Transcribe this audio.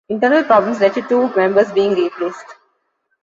Internal problems led to two members being replaced.